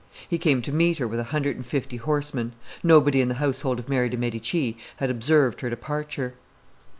He came to meet her with a hundred and fifty horsemen. Nobody in the household of Mary de'Medici had observed her departure.